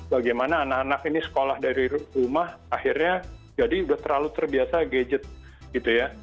bagaimana anak anak ini sekolah dari rumah akhirnya jadi udah terlalu terbiasa gadget gitu ya